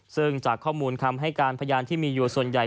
ซึ่งจากข้อมูลคำให้การพยานที่มีอยู่ส่วนใหญ่